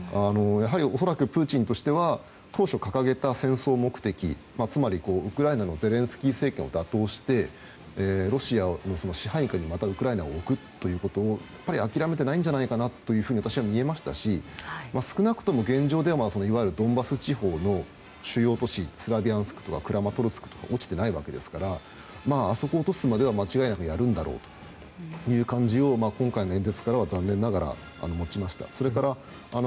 恐らく、プーチンとしては当初掲げた戦争目的つまりウクライナのゼレンスキー政権を打倒してロシアの支配下にまたウクライナを置くということを諦めていないんじゃないかと私には見えましたし少なくとも現状ではドンバス地方の主要都市スリャビャンスクとかクラマトルスクが落ちていないわけですからあそこを落とすまではやるんだろうということを今回の演説からは残念ながら持ちました。